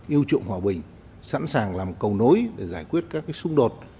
yêu trụng hòa bình sẵn sàng làm cầu nối để giải quyết các xung đột